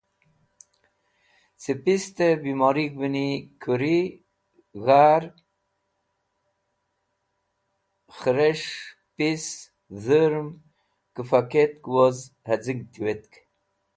Ce pistẽ bimorig̃hvẽni kuri, gar, kheres̃h, pis, dhũrm, kẽfakẽt woz haz̃ig tiwetk.